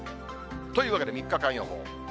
というわけで３日間予報。